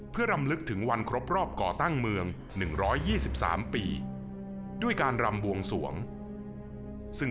เพื่อรำลึกถึงวันครบรอบก่อตั้งเมือง๑๒๓ปีด้วยการรำบวงสวงซึ่ง